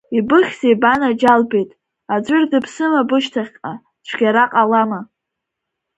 Ибыхьзеи банаџьалбеит, аӡәыр дыԥсыма бышьҭахьҟа, цәгьара ҟалама?